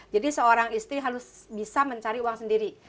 jadi seorang istri harus bisa mencari uang sendiri